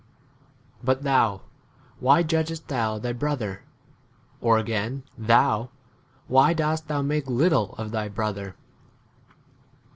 But thou, why judgest thou thy bro ther ? or again, thou, why dost thou make little of thy brother